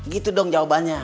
gitu dong jawabannya